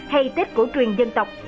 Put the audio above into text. hay tết cổ truyền dân tộc